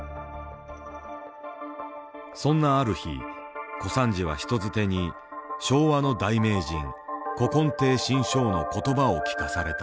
そんなある日小三治は人づてに昭和の大名人古今亭志ん生の言葉を聞かされた。